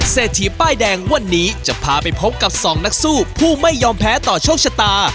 เศรษฐีป้ายแดงวันนี้จะพาไปพบกับสองนักสู้ผู้ไม่ยอมแพ้ต่อโชคชะตา